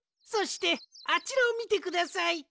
そしてあちらをみてください。